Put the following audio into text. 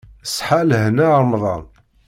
Ṣṣeḥa lehna ṛemḍan.